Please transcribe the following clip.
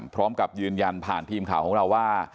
พร้อมกับยืนยันผ่านทีมข่าวของเราว่า